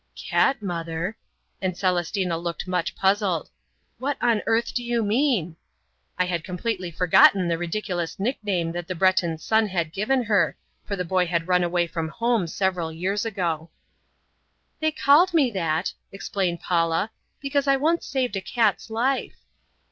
"Cat Mother!" and Celestina looked much puzzled. "What on earth do you mean?" I had completely forgotten the ridiculous nickname that the Breton's son had given her, for the boy had run away from home several years ago. "They called me that," explained Paula, "because I once saved a cat's life."